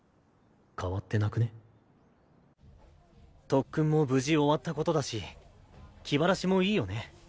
特訓も無事終わったことだし気晴らしもいいよね。